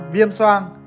năm viêm soang